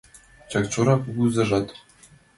Чакчора кугызажат